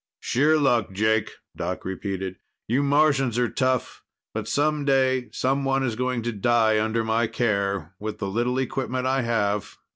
"Sheer luck, Jake," Doc repeated. "You Martians are tough. But some day someone is going to die under my care, with the little equipment I have.